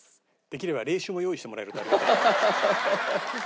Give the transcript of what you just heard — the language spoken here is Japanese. できれば冷酒も用意してもらえるとありがたい。